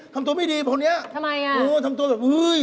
ทำตัวไม่ดีพวกนี้โอ๊ยทำตัวแบบอุ๊ย